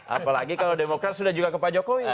apalagi kalau demokrat sudah juga ke pak jokowi